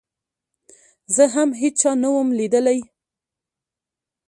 زه هم هېچا نه وم ليدلى.